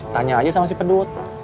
tanya aja sama si pedut